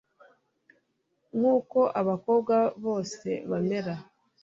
nkuko abakobwa bose bamera